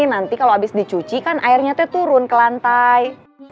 nanti kalau habis dicuci kan airnya turun ke lantai